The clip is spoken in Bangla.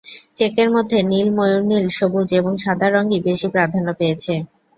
চেকের মধ্যে নীল, ময়ূর নীল, সবুজ এবং সাদা রঙই বেশি প্রাধান্য পেয়েছে।